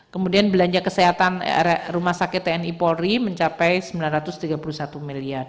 kemudian belanja kesehatan rumah sakit tni polri mencapai rp sembilan ratus tiga puluh satu miliar